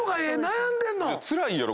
つらいやろ⁉